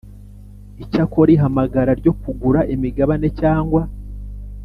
Icyakora ihamagara ryo kugura imigabane cyangwa